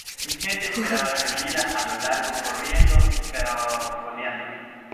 mi gente esperaba tendida a lo largo, corriendo y caracoleando.